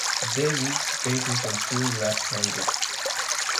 Davis batted and threw left-handed.